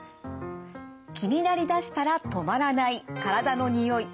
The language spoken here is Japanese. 気になりだしたら止まらない体のにおい。